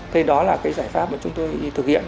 thế đó là giải pháp chúng tôi thực hiện